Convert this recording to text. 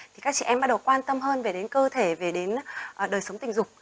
thì các chị em bắt đầu quan tâm hơn về đến cơ thể về đến đời sống tình dục